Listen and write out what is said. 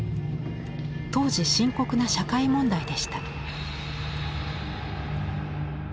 当時深刻な社会問題でした。